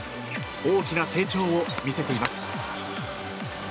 大きな成長を見せています。